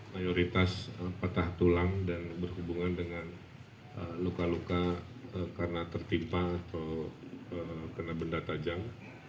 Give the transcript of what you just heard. mayoritas patah tulang dan berhubungan dengan luka luka karena tertimpa atau kena benda tajam